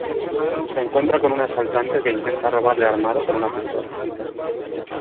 Se encuentra con un asaltante que intenta robarle armado con una pistola.